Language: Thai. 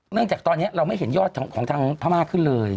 จากตอนนี้เราไม่เห็นยอดของทางพม่าขึ้นเลย